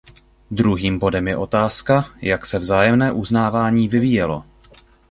Druhým bodem je otázka, jak se vzájemné uznávání vyvíjelo.